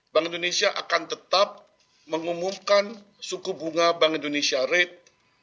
bank indonesia akan tetap mengumumkan suku bunga bank indonesia rate